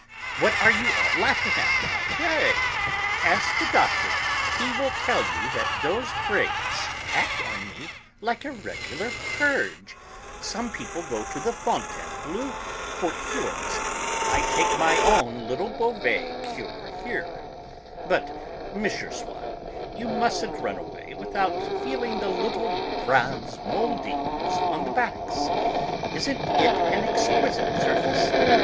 What are you all laughing at now, pray? Ask the Doctor; he will tell you that those grapes act on me like a regular purge. Some people go to Fontainebleau for cures; I take my own little Beauvais cure here. But, M. Swann, you mustn't run away without feeling the little bronze mouldings on the backs. Isn't it an exquisite surface?